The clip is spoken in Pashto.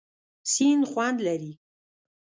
سیند خوند لري.